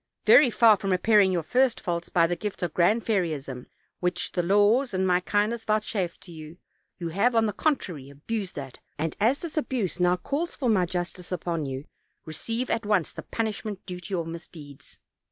Very far from repairing your first faults by the gift of Grand Fairyism, which the laws and my kindness vouchsafed to you, you have, on the contrary, abused that, and as this abuse now calls for my justice upon you, receive at once the punishment due to your mis deeds.